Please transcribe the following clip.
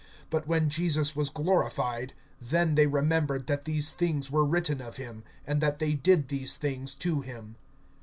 But when Jesus was glorified, then they remembered that these things were written of him, and that they did these things to him.